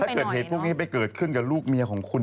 ก็ดีไม่ต้องล้างลด